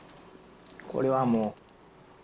これはもう。